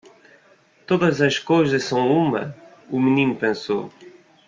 Todas as coisas são uma? o menino pensou.